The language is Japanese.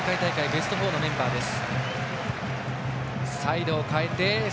ベスト４のメンバーです。